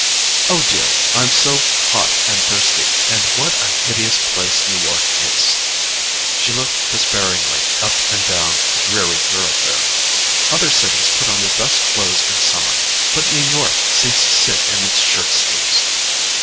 "Oh, dear, I'm so hot and thirsty—and what a hideous place New York is!" She looked despairingly up and down the dreary thoroughfare. "Other cities put on their best clothes in summer, but New York seems to sit in its shirtsleeves."